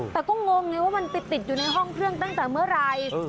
แต่ก็งงไงว่ามันไปติดอยู่ในห้องเครื่องตั้งแต่เมื่อไหร่